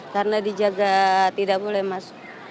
karena dijaga tidak boleh masuk